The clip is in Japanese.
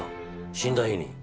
死んだ日に。